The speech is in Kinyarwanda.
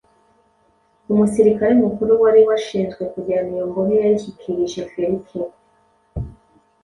Umusirikare mukuru wari washinzwe kujyana iyo mbohe yayishyikirije Feliki